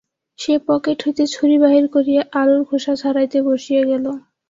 সে pocket হইতে ছুরি বাহির করিয়া আলুর খোসা ছাড়াইতে বসিয়া গেল।